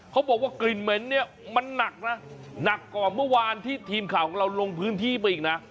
เขาบอกว่ากลิ่นเหม็นเนี่ยมันหนักนะหนักกว่าเมื่อวานที่ทีมข่าวของเราลงพื้นที่ไปอีกนะ